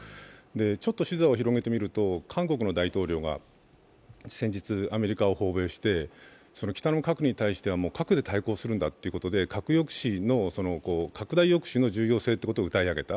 ちょっと視座を広げてみると、韓国の大統領が先日、アメリカを訪米して、北の核に対しては核で対抗してくんだということで核抑止の拡大抑止の重要性をうたい上げた。